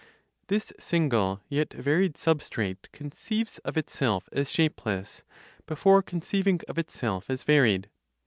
This single, yet varied substrate conceives of itself as shapeless, before conceiving of itself as varied.